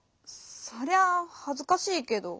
そりゃあはずかしいけど。